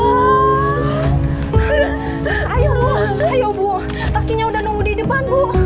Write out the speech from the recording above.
ayo ayo bu taksinya udah nunggu di depan bu